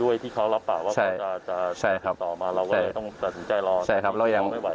ด้วยที่เขารับปากว่าจะต่อมาเราก็เลยต้องสนใจรอรอไม่ไหวแล้ว